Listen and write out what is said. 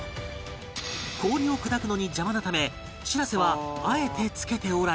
氷を砕くのに邪魔なためしらせはあえて着けておらず